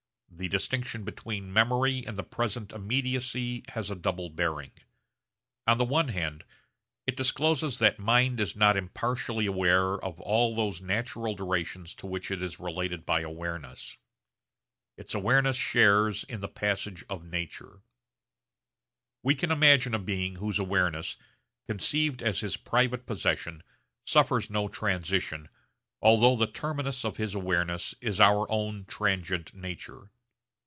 The distinction between memory and the present immediacy has a double bearing. On the one hand it discloses that mind is not impartially aware of all those natural durations to which it is related by awareness. Its awareness shares in the passage of nature. We can imagine a being whose awareness, conceived as his private possession, suffers no transition, although the terminus of his awareness is our own transient nature.